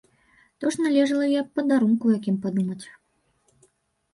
То ж належала і аб падарунку якім падумаць.